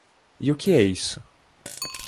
E o que é isso?